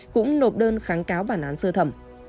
cũng đột đơn kháng cáo bản án sơ thẩm